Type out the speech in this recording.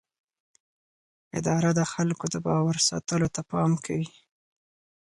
اداره د خلکو د باور ساتلو ته پام کوي.